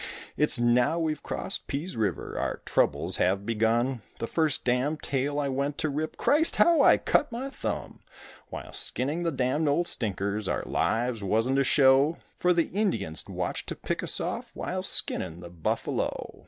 It's now we've crossed Pease River, our troubles have begun. The first damned tail I went to rip, Christ! how I cut my thumb! While skinning the damned old stinkers our lives wasn't a show, For the Indians watched to pick us off while skinning the buffalo.